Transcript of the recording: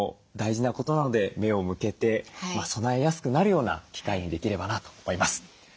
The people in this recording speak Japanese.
大事なことなので目を向けて備えやすくなるような機会にできればなと思います。